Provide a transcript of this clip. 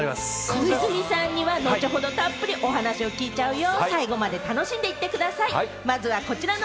小泉さんには後ほど、たっぷりお話聞いちゃうよ。